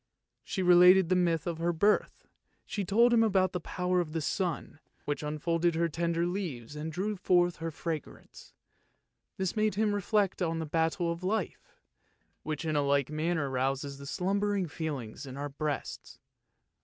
She related the myth of her birth, she told him about the power of the sun, which unfolded 326 ANDERSEN'S FAIRY TALES her tender leaves and drew forth her fragrance; this made him reflect on the battle of life, which in like manner rouses the slumbering feelings in our breasts.